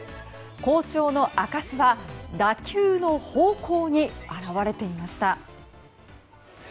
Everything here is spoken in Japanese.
好調の証は打球の方向に表れていました。